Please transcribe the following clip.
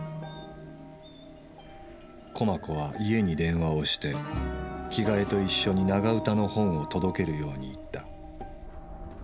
駒子は家に電話をして着替えと一緒に長唄の本を届けるように言った。